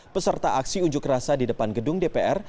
peserta aksi unjuk rasa di depan gedung dpr